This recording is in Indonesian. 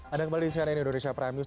anda kembali di cnn indonesia prime news